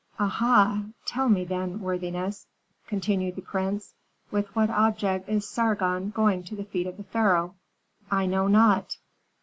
"Aha! Tell me, then, worthiness," continued the prince, "with what object is Sargon going to the feet of the pharaoh?" "I know not."